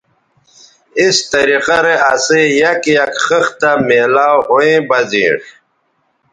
اِس طریقہ رے اسئ یک یک خِختہ میلاو ھویں بہ زینݜ